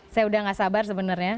saya udah gak sabar sebenarnya